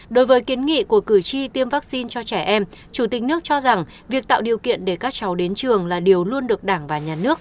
đối với kiến nghị của cử tri tiêm vaccine cho trẻ em chủ tịch nước cho rằng việc tạo điều kiện để các cháu đến trường là điều luôn được đảng và nhà nước